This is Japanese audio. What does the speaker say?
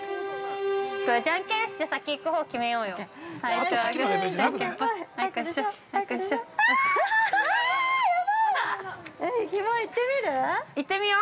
◆じゃんけんして、先行くほう決めようよ。